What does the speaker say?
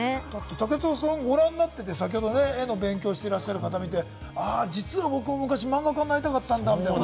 武田さん、ご覧になって絵の勉強してらっしゃる方見てあぁ、実は僕も漫画家になりたかったみたいな。